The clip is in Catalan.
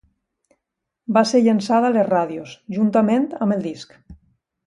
Va ser llençada a les ràdios, juntament amb el disc.